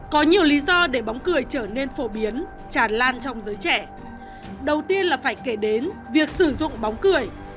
có nhiều lý do để bóng cười trở nên phổ biến tràn lan trong giới trẻ đầu tiên là phải kể đến việc sử dụng bóng cười